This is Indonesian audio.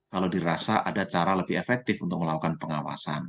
kalau dirasa ada cara lebih efektif untuk melakukan pengawasan